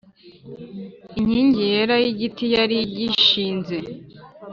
inkingi yera y igiti yari igishinze